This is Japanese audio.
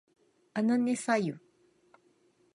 あなねさゆ